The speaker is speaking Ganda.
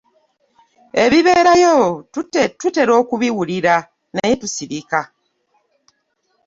Ebibeerayo tutera okubiwulira naye tusirika.